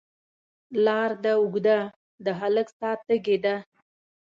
لار ده اوږده، د هلک ساه تږې ده